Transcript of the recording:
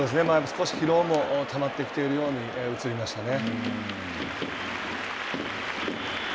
少し疲労もたまってきているように映りましたね。